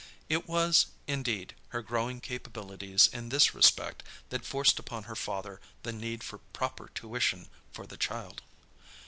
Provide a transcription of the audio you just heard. It was, indeed, her growing capabilities in this respect that forced upon her father the need for proper tuition for the child.